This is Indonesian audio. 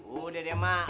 udah deh mak